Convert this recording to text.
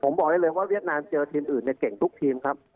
ผมบอกได้เลยว่าเวียดนามเจอทีมอื่นเนี่ยเก่งทุกทีมครับ